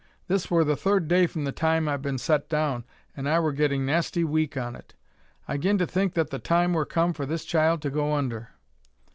This wur the third day from the time I'd been set down, an' I wur getting nasty weak on it. I 'gin to think that the time wur come for this child to go under.